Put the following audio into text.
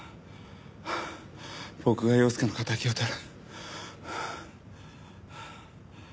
僕が陽介の敵をとる。